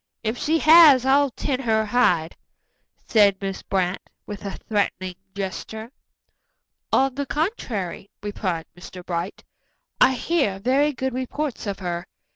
If she has, I'll tan her hide," said Miss Brant, with a threatening gesture. "On the contrary," replied Mr. Bright, "I hear very good reports of her.